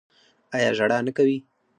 ایا ژړا نه کوي؟